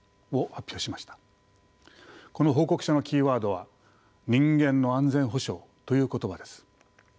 この報告書のキーワードは「人間の安全保障」という言葉です。